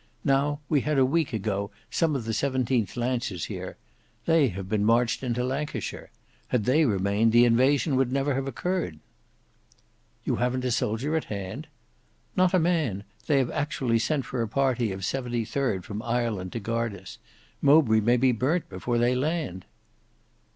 Now we had a week ago some of the 17th Lancers here. They have been marched into Lancashire. Had they remained the invasion would never have occurred." "You haven't a soldier at hand?" "Not a man; they have actually sent for a party of 73d from Ireland to guard us. Mowbray may be burnt before they land."